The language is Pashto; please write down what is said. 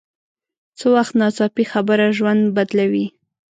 څه وخت ناڅاپي خبره ژوند بدلوي